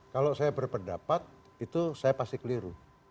kalau saya berpendapat itu saya pasti keliru